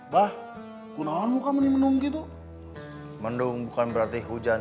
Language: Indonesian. bah kunoan muka menunggitu mendung bukan berarti hujan